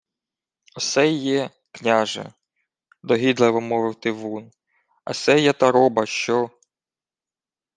— Осе й є, княже, — догідливе мовив тивун. — А се є та роба, що...